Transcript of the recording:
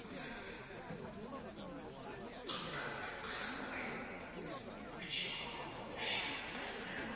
パンダのリュックサックねうちの孫も欲しがっとるのよ。